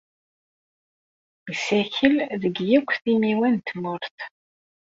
Yessakel deg wakk timiwa n tmurt.